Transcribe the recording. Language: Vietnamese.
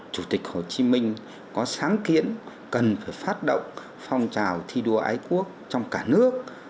chủ tịch hồ chí minh có sáng kiến cần phải phát động phong trào thi đua ái quốc trong cả nước